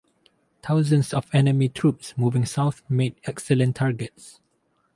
Thousands of enemy troops moving south made excellent targets.